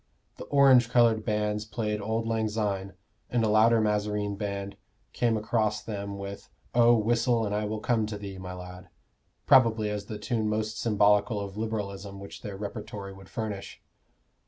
The orange colored bands played "Auld Lang Syne," and a louder mazarine band came across them with "Oh, whistle and I will come to thee, my lad" probably as the tune the most symbolical of Liberalism which their repertory would furnish.